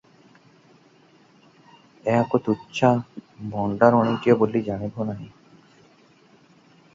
ଏହାକୁ ତୁଚ୍ଛା ଭଣ୍ତାରୁଣୀଟିଏ ବୋଲି ଜାଣିବେ ନାହିଁ ।